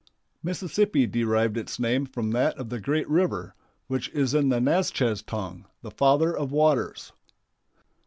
Mississippi derived its name from that of the great river, which is in the Natchez tongue "The Father of Waters."